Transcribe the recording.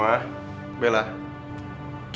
nggak ada yang bisa ambil ya